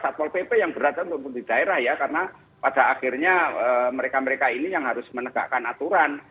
satpol pp yang berada di daerah ya karena pada akhirnya mereka mereka ini yang harus menegakkan aturan